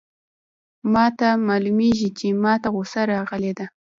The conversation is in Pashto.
ما ته معلومیږي چي ما ته غوسه راغلې ده.